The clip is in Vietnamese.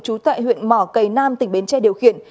trú tại huyện mỏ cầy nam tỉnh bến tre điều khiển